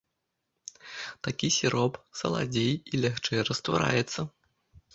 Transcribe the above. Такі сіроп саладзей і лягчэй раствараецца.